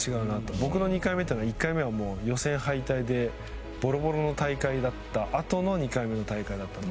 僕の２回目というのは１回目は予選敗退でボロボロの大会だったあとの２回目の大会だったので。